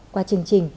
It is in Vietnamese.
qua chương trình